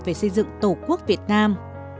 về xây dựng tổ quốc việt nam